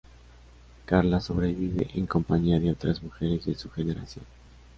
Carla sobrevive en compañía de otras mujeres de su generación.